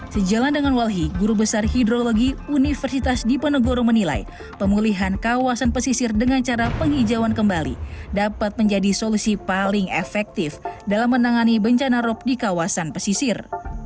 sejalan dengan walhi guru besar hidrologi universitas diponegoro menilai pemulihan kawasan pesisir dengan cara penghijauan kembali dapat menjadi solusi paling efektif dalam menangani bencana rop di kawasan pesisir